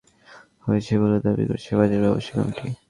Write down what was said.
এতে দেড় কোটি টাকার ক্ষয়ক্ষতি হয়েছে বলে দাবি করেছে বাজার ব্যবসায়ী কমিটি।